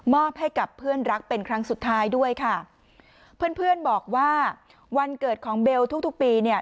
ให้กับเพื่อนรักเป็นครั้งสุดท้ายด้วยค่ะเพื่อนเพื่อนบอกว่าวันเกิดของเบลทุกทุกปีเนี่ย